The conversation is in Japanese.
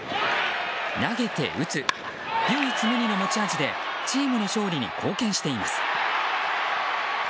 投げて打つ、唯一無二の持ち味でチームの勝利に貢献しています。